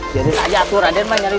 jangan lupa raden mencari